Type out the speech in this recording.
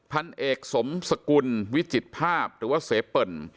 พันเอกสมสกุลวิจิตภาพหรือว่าเซเปิ่น